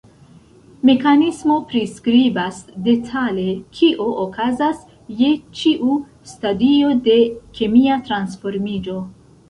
Mekanismo priskribas detale kio okazas je ĉiu stadio de kemia transformiĝo.